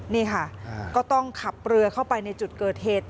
นี่ค่ะก็ต้องขับเรือเข้าไปในจุดเกิดเหตุ